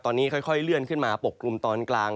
ตอนนี้ค่อยเลื่อนให้บริเวณกลุ่มตอนกลาง